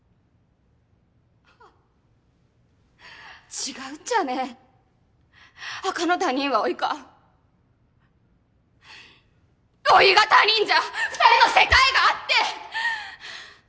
違うっちゃね赤の他人はおいかおいが他人じゃ二人の世界があって！